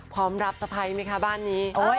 พร้อมรับสะพ้ายไหมคะบ้านนี้